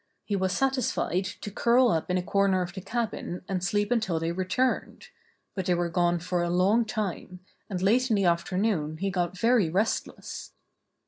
He was satisfied to curl up in a corner of the cabin and sleep until they returned ; but they were gone for a long time, and late in the afternoon he got very restless.